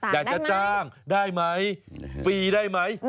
อยากจะจ้างไปเล่นตามงานต่าง